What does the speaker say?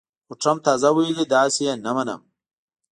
خو ټرمپ تازه ویلي، داسې یې نه منم